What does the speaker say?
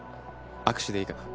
握手でいいかな？